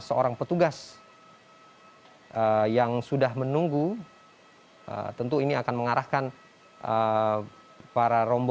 ini adalah pesawat garuda indonesia yang di charter khusus untuk membawa total dari sembilan puluh enam wni yang berhasil dievakuasi dari ukraina beberapa hari lalu